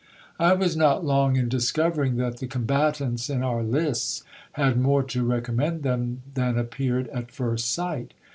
I was not long in discovering that the combatants in our lists had more to recommend them than appeared at first sight.